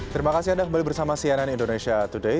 terima kasih anda kembali bersama cnn indonesia today